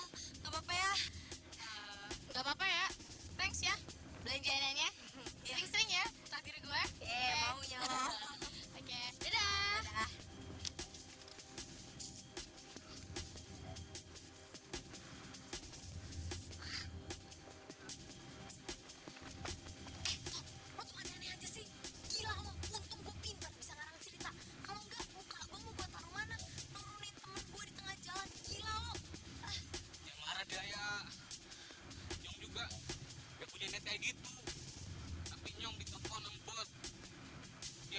enggak apa apa ya enggak apa apa ya thanks ya belanjaannya ya ya tapi gua ya oke dadah